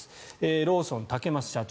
ローソン、竹増社長。